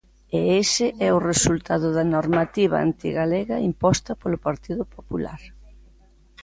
E ese é o resultado da normativa antigalega imposta polo Partido Popular.